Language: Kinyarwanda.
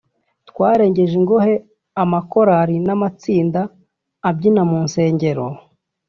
twarengeje ingohe amakorali n’amatsinda abyina mu nsengero